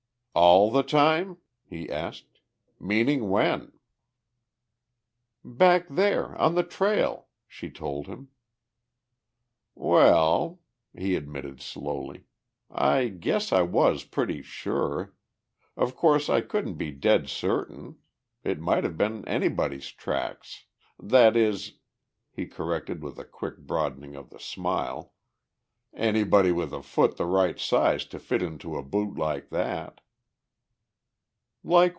"All the time?" he asked. "Meaning when?" "Back there. On the trail," she told him. "Well," he admitted slowly, "I guess I was pretty sure. Of course I couldn't be dead certain. It might have been anybody's tracks ... that is," he corrected with a quick broadening of the smile, "anybody with a foot the right size to fit into a boot like that."